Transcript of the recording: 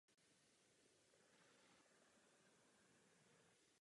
Narodil se na pražském Smíchově a tam také vychodil reálné a vyšší gymnázium.